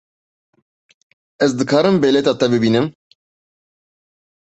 Ez dikarim bilêta te bibînim?